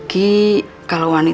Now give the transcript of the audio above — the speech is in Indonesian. sampai jumpa lagi